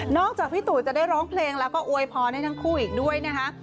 จากพี่ตู่จะได้ร้องเพลงแล้วก็อวยพรให้ทั้งคู่อีกด้วยนะคะ